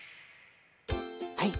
はい。